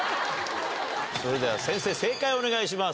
それでは先生、正解をお願いします。